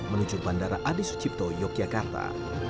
menuju bandara adi sucipto yogyakarta